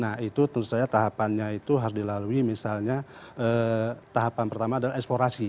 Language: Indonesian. nah itu tentu saja tahapannya itu harus dilalui misalnya tahapan pertama adalah eksplorasi